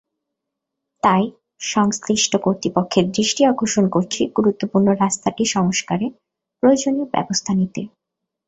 তাই সংশ্লিষ্ট কর্তৃপক্ষের দৃষ্টি আকর্ষণ করছি গুরুত্বপূর্ণ রাস্তাটি সংস্কারে প্রয়োজনীয় ব্যবস্থা নিতে।